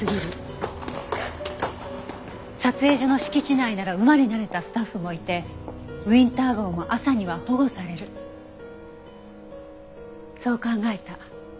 撮影所の敷地内なら馬に慣れたスタッフもいてウィンター号も朝には保護されるそう考えた。